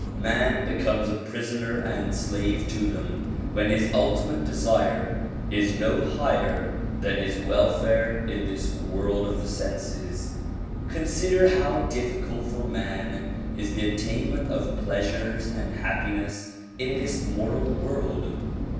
Man becomes a prisoner and slave to them when his ultimate desire is no higher than his welfare in this world of the senses. Consider how difficult for man is the attainment of pleasures and happiness in this mortal world.